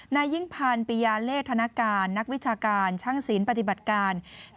นายยิ่งพันธ์ปิยาเลธนการนักวิชาการช่างศีลปฏิบัติการ